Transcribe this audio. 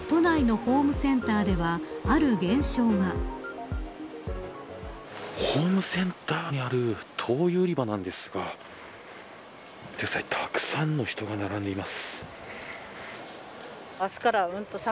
ホームセンターにある灯油売り場なんですがたくさんの人が並んでいます。